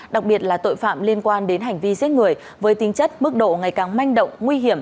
đặc biệt là tội phạm liên quan đến hành vi giết người với tính chất mức độ ngày càng manh động nguy hiểm